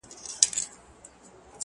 خوريی په بدي کي ايله دئ.